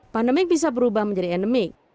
pandemi bisa berubah menjadi endemik